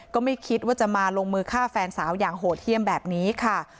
ก็ไม่คิดว่าจะมาลงมือฆ่าแฟนสาวอย่างโหดเยี่ยมแบบนี้ค่ะ